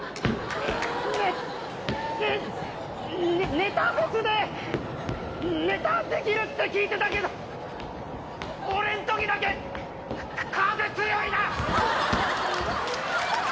ネタフェスで、ネタできるって聞いてたけど、俺んときだけ、風強いな。